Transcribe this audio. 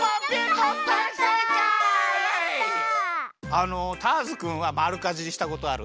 あのターズくんはまるかじりしたことある？